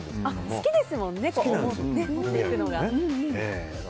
好きですもんね持っていくのが。